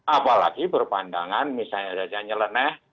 apalagi berpandangan misalnya saja nyeleneh